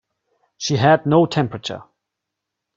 She had no temperature.